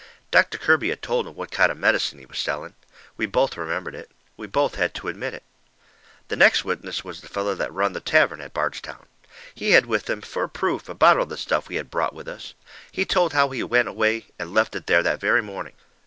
Doctor Kirby had told 'em what kind of medicine he was selling. We both remembered it. We both had to admit it. The next witness was the feller that run the tavern at Bairdstown. He had with him, fur proof, a bottle of the stuff we had brought with us. He told how we had went away and left it there that very morning.